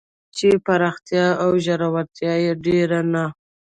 چې پراختیا او ژورتیا یې ډېر نه